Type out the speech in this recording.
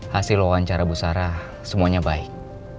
hasil wawancara bu sarah semuanya baik